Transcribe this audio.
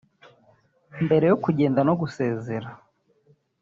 Mbere yo kugenda no gusezera